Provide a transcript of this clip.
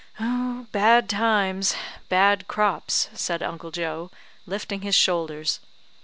"Bad times bad crops," said Uncle Joe, lifting his shoulders.